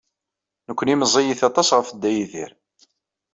Nekkni meẓẓiyit aṭas ɣef Dda Yidir.